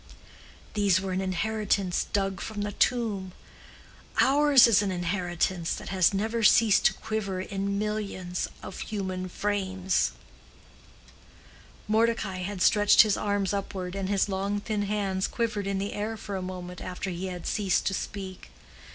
These were an inheritance dug from the tomb. Ours is an inheritance that has never ceased to quiver in millions of human frames." Mordecai had stretched his arms upward, and his long thin hands quivered in the air for a moment after he had ceased to speak.